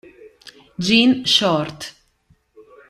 Gene Short